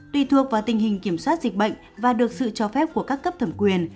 tùy thuộc vào tình hình kiểm soát dịch bệnh và được sự cho phép của các cấp thẩm quyền